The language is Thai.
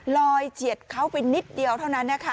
เฉียดเขาไปนิดเดียวเท่านั้นนะคะ